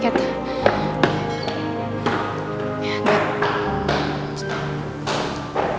karena sangat duk